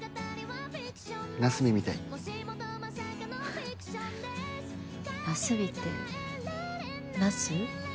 なすびみたいなすびってナス？